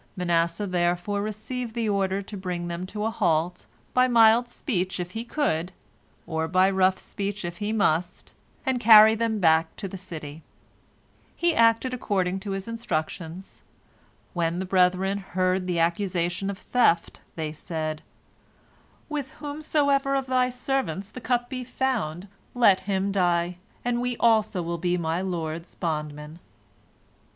Manasseh therefore received the order to bring them to a halt, by mild speech if he could, or by rough speech if he must, and carry them back to the city. He acted according to his instructions. When the brethren heard the accusation of theft , they said: "With whomsoever of thy servants the cup be found, let him die, and we also will be my lord's bondmen."